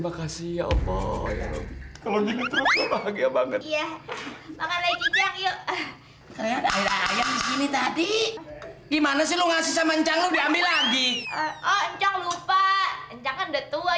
astaghfirullahaladzim lu bacet lu ah